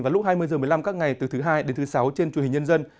vào lúc hai mươi h một mươi năm các ngày từ thứ hai đến thứ sáu trên truyền hình nhân dân